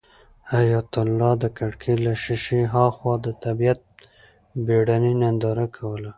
حیات الله د کړکۍ له شیشې هاخوا د طبیعت بېړنۍ ننداره کوله.